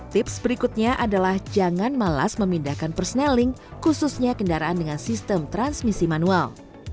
tips berikutnya adalah jangan malas memindahkan perseneling khususnya kendaraan dengan sistem transmisi manual